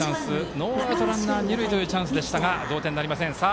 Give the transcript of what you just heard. ノーアウト、ランナー、二塁というチャンスでしたが同点なりません。